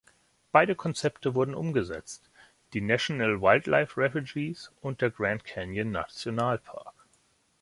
Beide Konzepte wurden umgesetzt: die National Wildlife Refuges und der Grand-Canyon-Nationalpark.